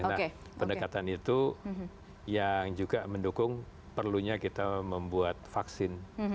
nah pendekatan itu yang juga mendukung perlunya kita membuat vaksin